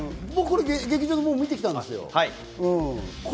劇場で見てきたんですよ。